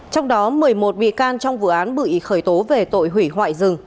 trong đó một mươi một bị can trong vụ án bị khởi tố về tội hủy hóa dừng